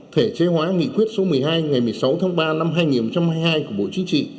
thể chế hóa nghị quyết số một mươi hai ngày một mươi sáu tháng ba năm hai nghìn hai mươi hai của bộ chính trị